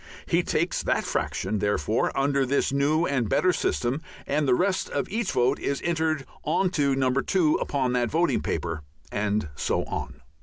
He takes that fraction, therefore, under this new and better system, and the rest of each vote is entered on to No. 2 upon that voting paper. And so on.